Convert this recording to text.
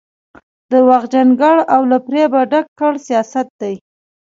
درواغجن ګړ او له فرېبه ډک کړ سیاست دی.